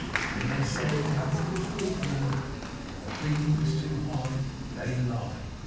'When they say they haven't improved, ma'am, and the premium was too high, they lie!